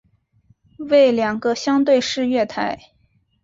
为两个相对式月台。